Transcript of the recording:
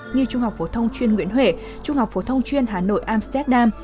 như trung học phổ thông chuyên nguyễn huệ trung học phổ thông chuyên hà nội amsterdam